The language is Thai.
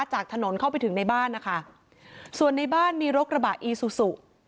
จากถนนเข้าไปถึงในบ้านนะคะส่วนในบ้านมีรถกระบะอีซูซู